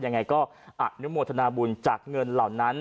ยังไงก็อนุโมทนาบุญจากเงินเหล่านั้น